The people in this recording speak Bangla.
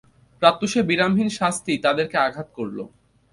প্রত্যুষে বিরামহীন শাস্তি তাদেরকে আঘাত করল।